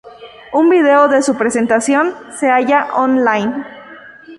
Un video de su presentación se halla on-line.